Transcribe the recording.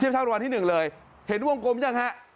เทียบเท่ารางวัลที่๑เลยเห็นวงกลมยังฮะ